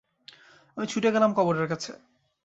আমি ছুটে গেলাম কবরের কাছে।